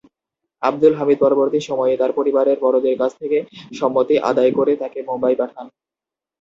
আবদুল হামিদ পরবর্তী সময়ে তার পরিবারের বড়দের কাছ থেকে সম্মতি আদায় করে তাকে মুম্বাই পাঠান।